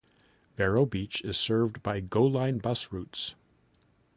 Vero Beach is served by GoLine Bus routes.